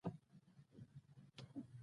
د الوویرا پاڼې د څه لپاره وکاروم؟